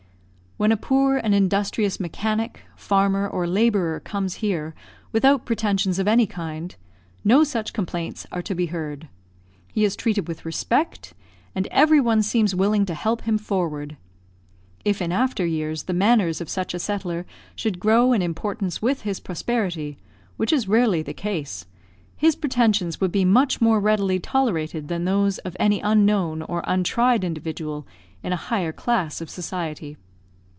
When a poor and industrious mechanic, farmer, or labourer comes here without pretensions of any kind, no such complaints are to be heard. He is treated with respect, and every one seems willing to help him forward. If in after years the manners of such a settler should grow in importance with his prosperity which is rarely the case his pretensions would be much more readily tolerated than those of any unknown or untried individual in a higher class of society.